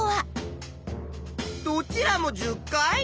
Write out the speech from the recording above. どちらも１０回？